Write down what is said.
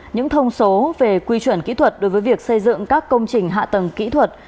những thông số về quy chuẩn kỹ thuật đối với việc xây dựng các công trình hạ tầng kỹ thuật